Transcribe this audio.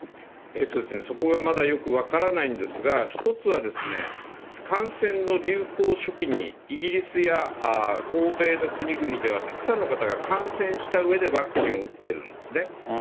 そこがまだよく分からないんですが、１つは感染の流行初期に、イギリスや欧米の国々では、たくさんの方が感染したうえでワクチンを打ってるんですね。